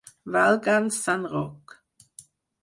Valga'ns sant Roc!